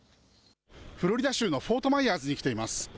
フロリダ州のフォートマイヤーズに来ています。